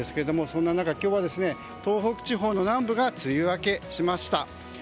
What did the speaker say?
そんな中、今日は東北地方の南部が梅雨明けしました。